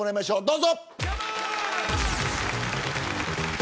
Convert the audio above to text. どうぞ。